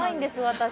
私